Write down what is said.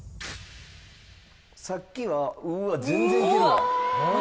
さっきはうわっ全然いけるわ。